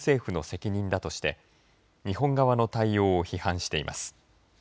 日本政府の責任だとして日本側の対応を批判しています。